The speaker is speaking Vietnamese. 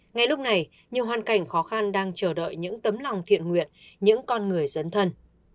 ngay lúc này nhiều hoàn cảnh khó khăn đang chờ đợi những tấm lòng thiện nguyện những con người dấn thân